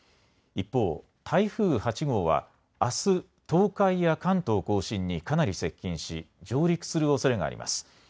一方、台風８号は、あす東海や関東甲信にかなり接近し上陸するおそれがあります。